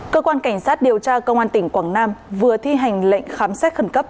cơ quan cảnh sát điều tra công an tỉnh quảng nam vừa thi hành lệnh khám xét khẩn cấp